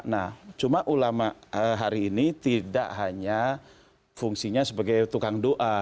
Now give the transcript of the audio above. nah cuma ulama hari ini tidak hanya fungsinya sebagai tukang doa